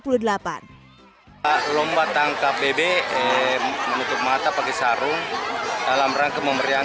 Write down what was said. lomba tangkap bebek menutup mata pakai sarung dalam rangka memberikan